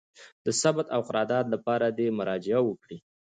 د ثبت او قرارداد لپاره دي مراجعه وکړي: